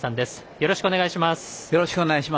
よろしくお願いします。